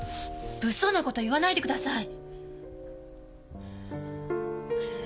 物騒な事言わないでください！